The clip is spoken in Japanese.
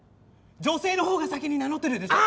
女性のほうが先に名乗ってるでしょ。